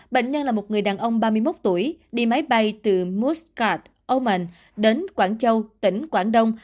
bệnh nhân là một người đàn ông ba mươi một tuổi đi máy bay từ moskart oman đến quảng châu tỉnh quảng đông